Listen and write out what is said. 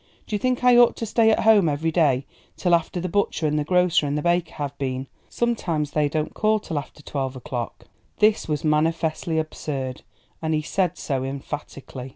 Do you think I ought to stay at home every day till after the butcher and grocer and baker have been here? Sometimes they don't call till after twelve o'clock." This was manifestly absurd, and he said so emphatically.